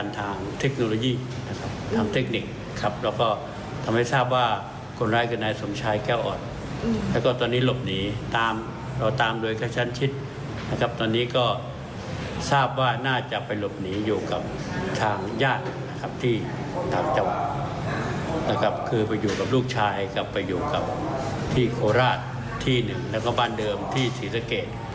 ต้องกลายไปอยู่ที่โคราชที่๑และก็บ้านเดิมที่ศรีสเกต